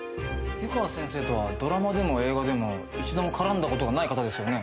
湯川先生とはドラマでも映画でも一度も絡んだことがない方ですよね？